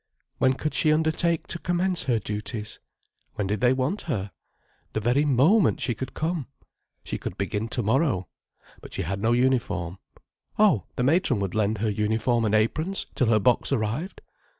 When could she undertake to commence her duties? When did they want her? The very moment she could come. She could begin tomorrow—but she had no uniform. Oh, the matron would lend her uniform and aprons, till her box arrived.